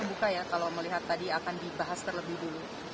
terbuka ya kalau melihat tadi akan dibahas terlebih dulu